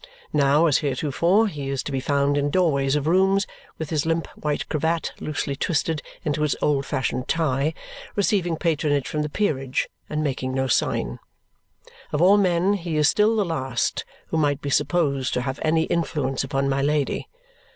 Now, as heretofore, he is to be found in doorways of rooms, with his limp white cravat loosely twisted into its old fashioned tie, receiving patronage from the peerage and making no sign. Of all men he is still the last who might be supposed to have any influence upon my Lady.